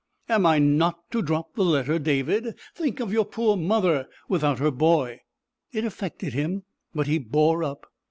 "Am I not to drop the letter, David? Think of your poor mother without her boy!" It affected him, but he bore up.